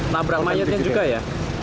nabrak mayatnya juga ya